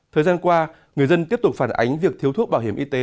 thời gian qua người dân tiếp tục phản ánh việc thiếu thuốc bảo hiểm y tế